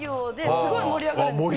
すごい盛り上がるんですよ。